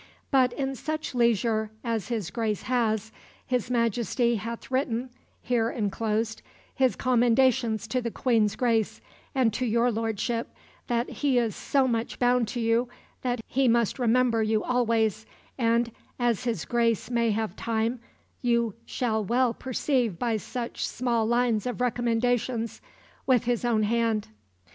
But in such leisure as his Grace has, his Majesty hath written (here enclosed) his commendations to the Queen's Grace and to your lordship, that he is so much bound to you that he must remember you always, and, as his Grace may have time, you shall well perceive by such small lines of recommendations with his own hand."